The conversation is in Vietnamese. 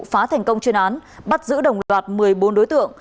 phá thành công chuyên án bắt giữ đồng loạt một mươi bốn đối tượng